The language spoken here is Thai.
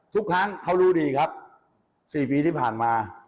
ทุกครั้งเขารู้ดีครับ๔ปีที่ผ่านมา